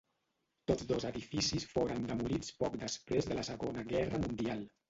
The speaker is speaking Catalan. Tots dos edificis foren demolits poc després de la Segona Guerra mundial.